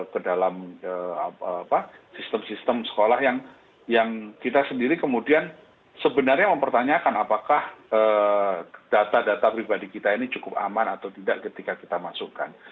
ke dalam sistem sistem sekolah yang kita sendiri kemudian sebenarnya mempertanyakan apakah data data pribadi kita ini cukup aman atau tidak ketika kita masukkan